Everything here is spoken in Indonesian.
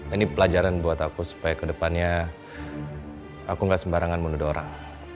ini pelajaran buat aku supaya kedepannya aku gak sembarangan menuduh orang